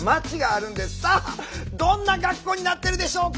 さあどんな学校になってるでしょうか？